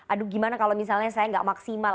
aduh gimana kalau misalnya saya nggak maksimal